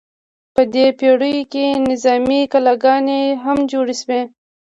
په دې پیړیو کې نظامي کلاګانې هم جوړې شوې.